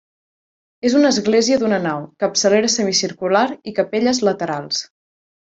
És una església d'una nau, capçalera semicircular i capelles laterals.